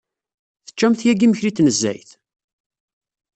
Teččamt yagi imekli n tnezzayt?